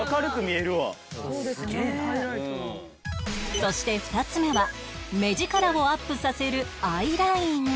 そして２つ目は目力をアップさせるアイライン